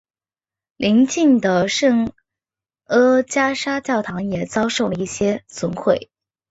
邻近的圣阿加莎教堂也遭受了一些损毁。